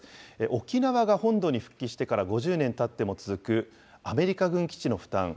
沖縄が本土に復帰してから５０年たっても続く、アメリカ軍基地の負担。